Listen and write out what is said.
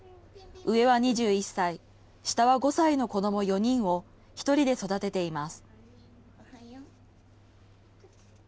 上は２１歳、下は５歳の子ども４人を１人で育てています。